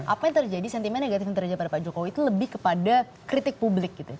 apa yang terjadi sentimen negatif yang terjadi pada pak jokowi itu lebih kepada kritik publik gitu